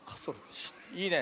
いいね。